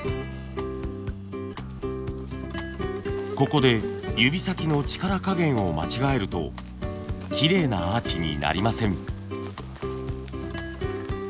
ここで指先の力加減を間違えるときれいなアーチになりません。